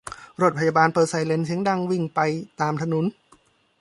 รถพยาบาลเปิดไซเรนเสียงดังวิ่งไปตามถนน